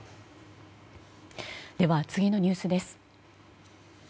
では次のニュースです。